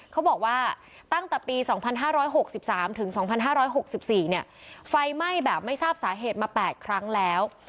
เขาบอกว่าตั้งแต่ปี๒๕๖๓ถึง๒๕๖๔ไฟไหม้แบบไม่ทราบสาเหตุมา๘ครั้งแล้ว